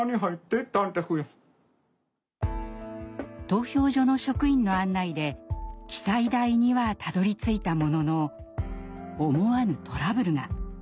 投票所の職員の案内で記載台にはたどり着いたものの思わぬトラブルが。